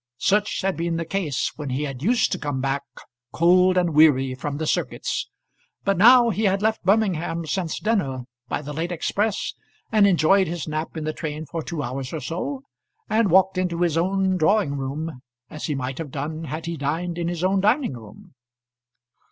Such had been the case when he had used to come back cold and weary from the circuits; but now he had left Birmingham since dinner by the late express, and enjoyed his nap in the train for two hours or so, and walked into his own drawing room as he might have done had he dined in his own dining room.